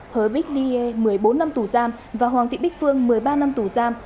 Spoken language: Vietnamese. hờ bích niê một mươi bốn năm tù giam và hoàng thị bích phương một mươi ba năm tù giam